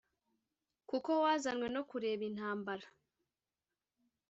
kuko wazanywe no kureba intambara.